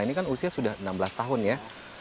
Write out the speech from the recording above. ini kan usia sudah enam belas tahun ya